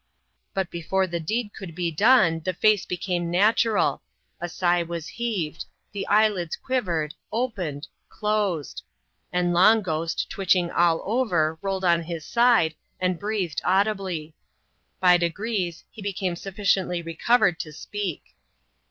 But before tbe deed could be done, the face became natural ;— a sigh was heaved ;— tbe eyelids quivered, opened, closed ; and Long Ghost, twitching all over, rolled on bis side, and breathed audibly. By degrees, he became sufficiently recovered to speak.